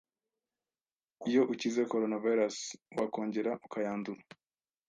Iyo ukize coronavirus wakongera ukayandura